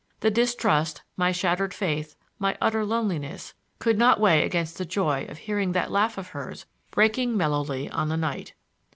The distrust, my shattered faith, my utter loneliness, could not weigh against the joy of hearing that laugh of hers breaking mellowly on the night.